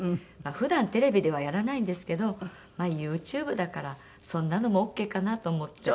普段テレビではやらないんですけどまあユーチューブだからそんなのもオーケーかなと思って。